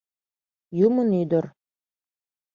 Юмын ӱдыр.